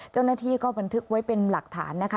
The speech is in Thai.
เจ้าหน้าที่ก็บันทึกไว้เป็นหลักฐานนะคะ